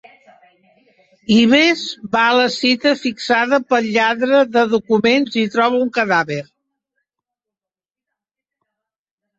Ives va a la cita fixada pel lladre de documents i troba un cadàver.